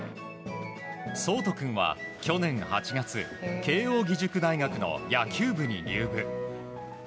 想仁君は去年８月慶應義塾大学の野球部に入部。